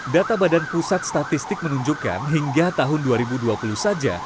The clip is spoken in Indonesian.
data badan pusat statistik menunjukkan hingga tahun dua ribu dua puluh saja